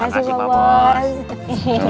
terima kasih papa